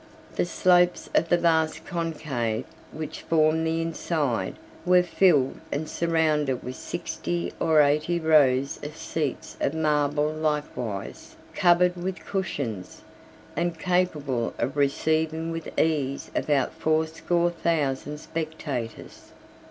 The slopes of the vast concave, which formed the inside, were filled and surrounded with sixty or eighty rows of seats of marble likewise, covered with cushions, and capable of receiving with ease about fourscore thousand spectators.